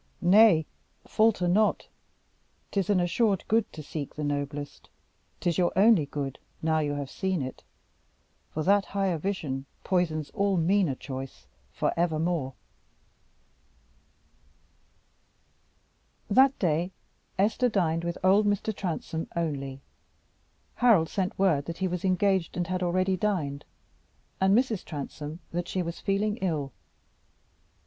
Nay, falter not 'tis an assured good To seek the noblest 'tis your only good Now you have seen it; for that higher vision Poisons all meaner choice forevermore. That day Esther dined with old Mr. Transome only. Harold sent word that he was engaged and had already dined, and Mrs. Transome that she was feeling ill.